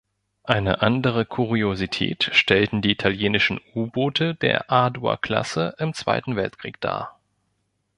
Eine andere Kuriosität stellten die italienischen U-Boote der Adua-Klasse im Zweiten Weltkrieg dar.